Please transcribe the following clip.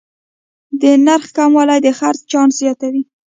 د نرخ کموالی د خرڅ چانس زیاتوي.